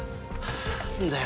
何だよ